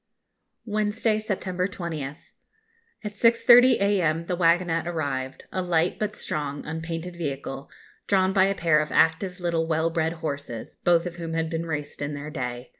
Wednesday, September 20th. At 6.30 a.m. the waggonette arrived, a light but strong, unpainted vehicle, drawn by a pair of active little well bred horses, both of whom had been raced in their day.